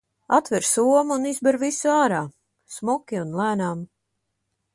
Atver somu un izber visu ārā, smuki un lēnām.